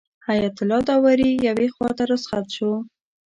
حیات الله داوري یوې خواته رخصت شو.